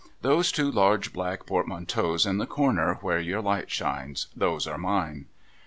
' Those two large black portmanteaus in the comer where your light shines. Those are mine.'